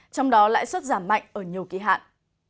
trong đó lãi suất giảm mạnh ở nhiều kỳ hạn